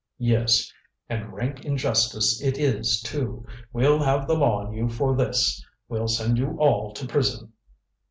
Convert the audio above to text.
"Yes. And rank injustice it is, too. We'll have the law on you for this. We'll send you all to prison."